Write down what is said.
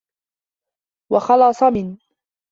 وَخَلُصَ مِنْ